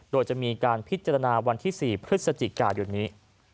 โดยจะมีการพิจารณาวันที่๔พฤศจิกายนนี้